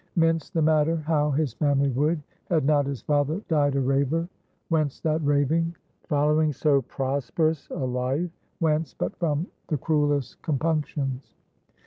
Mince the matter how his family would, had not his father died a raver? Whence that raving, following so prosperous a life? Whence, but from the cruelest compunctions?